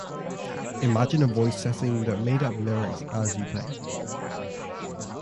Imagine a voice setting that made up lyrics as you play